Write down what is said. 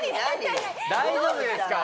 大丈夫ですから。